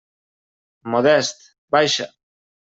Modest, baixa.